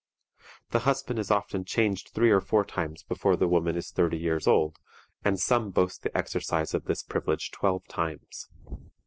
The husband is often changed three or four times before the woman is thirty years old, and some boast the exercise of this privilege twelve times.